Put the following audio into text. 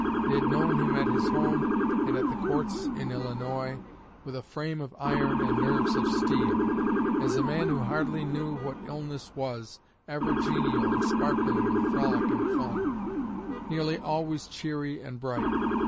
They had known him at his home, and at the courts in Illinois, with a frame of iron and nerves of steel; as a man who hardly knew what illness was, ever genial and sparkling with frolic and fun, nearly always cheery and bright.